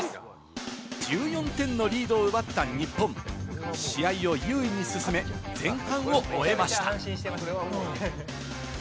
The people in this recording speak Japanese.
１４点のリードを奪った日本、試合を優位に進め、前半を終えました。